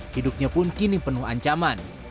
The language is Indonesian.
hidupnya pun kini penuh ancaman